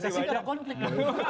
kalau kita tidak ada konflik